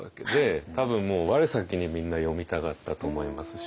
多分もう我先にみんな読みたがったと思いますし。